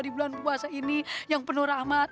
di bulan puasa ini yang penuh rahmat